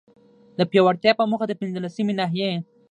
د پياوړتيا په موخه، د پنځلسمي ناحيي